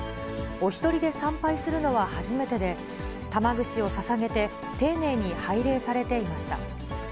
お１人で参拝するのは初めてで、玉串をささげて丁寧に拝礼されていました。